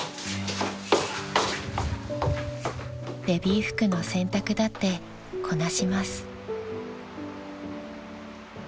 ［ベビー服の洗濯だってこなします］